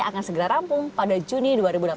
akan segera rampung pada juni dua ribu delapan belas